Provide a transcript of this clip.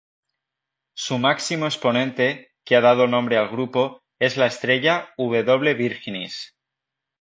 Su máximo exponente, que ha dado nombre al grupo, es la estrella W Virginis.